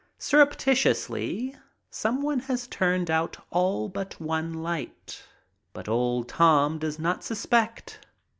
Sur reptitiously, some one has turned out all but one light, but old Tom does not suspect.